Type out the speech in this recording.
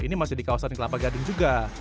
ini masih di kawasan kelapa gading juga